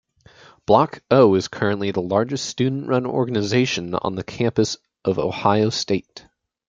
Block "O" is currently the largest student-run organization on the campus of Ohio State.